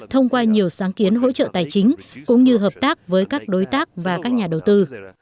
thông qua nhiều sáng kiến hỗ trợ tài chính cũng như hợp tác với các đối tác và các nhà đầu tư